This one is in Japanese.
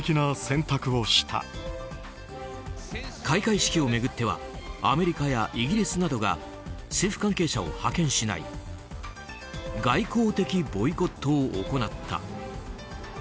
開会式を巡ってはアメリカやイギリスなどが政府関係者を派遣しない外交的ボイコットを行った。